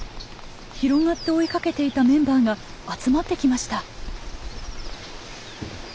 広がって追いかけていたメンバーが集まってきました。